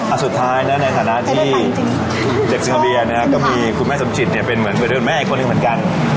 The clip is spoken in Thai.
อันสุดท้ายในฐานะที่เจ็บสังเบียนก็มีคุณแม่สมจิตเป็นเหมือนผู้เดินแม่อีกคนหนึ่งเหมือนกัน